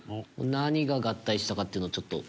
何が合体したかっていうのをちょっと。